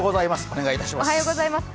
お願いいたします。